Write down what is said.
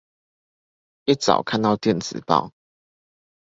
一早看到電子報